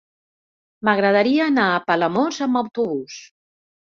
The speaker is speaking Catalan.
M'agradaria anar a Palamós amb autobús.